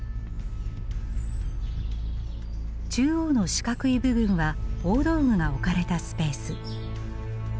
中央の四角い部分は大道具が置かれたスペース。